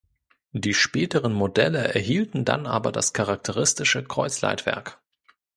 Die späteren Modelle erhielten dann aber das charakteristische Kreuzleitwerk.